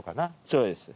そうです。